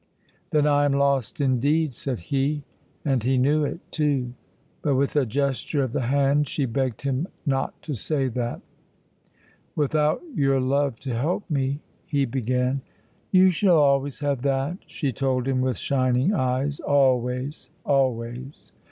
"Then I am lost indeed!" said he, and he knew it, too; but with a gesture of the hand she begged him not to say that. "Without your love to help me " he began. "You shall always have that," she told him with shining eyes, "always, always."